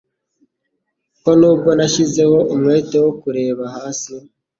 ko nubwo nashyizeho umwete wo kureba hasi